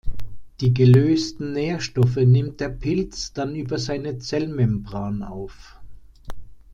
Die gelösten Nährstoffe nimmt der Pilz dann über seine Zellmembran auf.